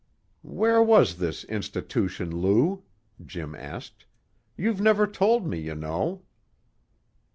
"Where was this institution, Lou?" Jim asked. "You've never told me, you know."